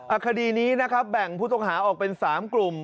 คดีนี้นะครับแบ่งผู้ต้องหาออกเป็น๓กลุ่ม